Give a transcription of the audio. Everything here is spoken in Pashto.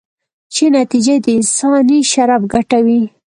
چې نتیجه یې د انساني شرف ګټه وي.